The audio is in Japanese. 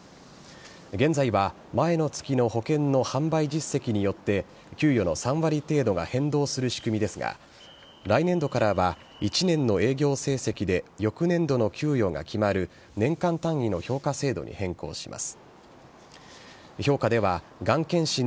現在は前の月の保険の販売実績によって、給与の３割程度が変動する仕組みですが、来年度からは、１年の営業成績で翌年度の給与が決まる年間単位の評価制度に変更します。